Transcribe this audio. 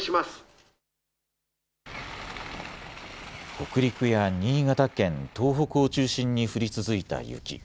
北陸や新潟県、東北を中心に降り続いた雪。